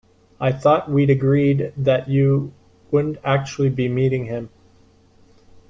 I thought we'd agreed that you wouldn't actually be meeting him?